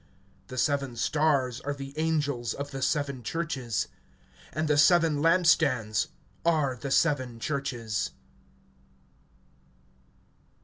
The seven stars are the angels of the seven churches; and the seven lamp stands are the seven churches.